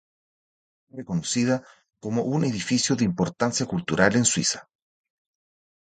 Es reconocida como un edificio de importancia cultural en Suiza.